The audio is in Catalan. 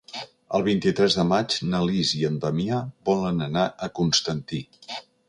El vint-i-tres de maig na Lis i en Damià volen anar a Constantí.